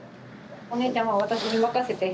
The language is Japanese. お姉ちゃんは私に任せて。